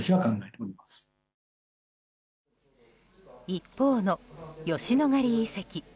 一方の吉野ヶ里遺跡。